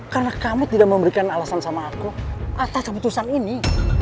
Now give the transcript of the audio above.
karena kamu tidak memberikan alasan sama aku atas keputusan ini